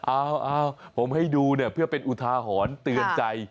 อ้าวผมให้ดูเพื่อเป็นอุทาหรณ์เตือนใจ